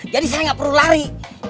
jadi saya gak perlu lari